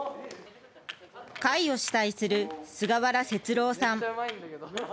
会を主催する菅原節郎さん。